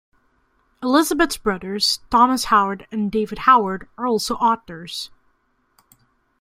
Elisabeth's brothers, Thomas Howard and David Howard, are also authors.